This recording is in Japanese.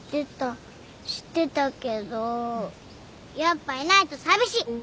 知ってたけどやっぱいないと寂しい！